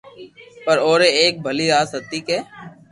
پر او ري ايڪ ڀلي آست ھتي ڪي